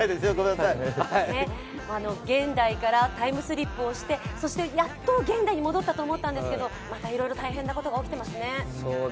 現代からタイムスリップをしてそしてやっと現代に戻ったと思ったんですけれども、またいろいろ大変なことが起きてますね。